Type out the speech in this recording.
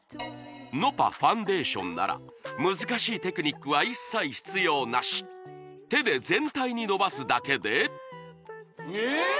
ファンデーションなら難しいテクニックは一切必要なし手で全体にのばすだけでええっ！？